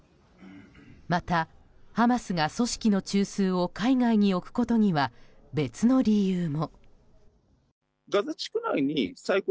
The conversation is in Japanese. またハマスが組織の中枢を海外に置くことには別の理由も。